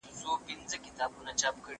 زه له سهاره سندري اورم؟!